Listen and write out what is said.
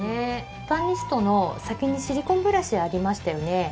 スパニストの先にシリコンブラシありましたよね。